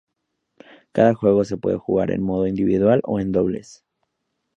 Cada juego se puede jugar en modo individual o en dobles.